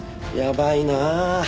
やばいなあ。